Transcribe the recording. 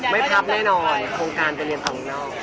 ไม่พับแน่นอนโครงการไปเรียนต่างนอก